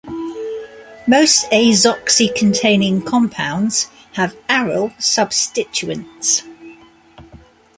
Most azoxy-containing compounds have aryl substituents.